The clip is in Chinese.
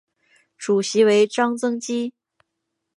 主席为张曾基。